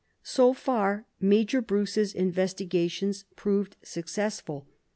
So far Major Bruce 's investigations proved successful.